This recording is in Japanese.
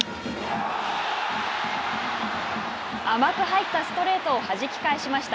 甘く入ったストレートをはじき返しました。